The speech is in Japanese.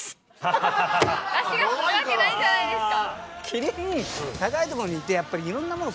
キリン高いところにいてやっぱりいろんなもの